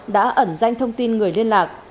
đã ẩn danh thông tin người liên lạc